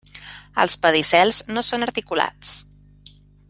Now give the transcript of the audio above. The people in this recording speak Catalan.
Els pedicels no són articulats.